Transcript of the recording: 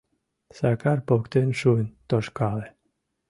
Сакар поктен шуын тошкале.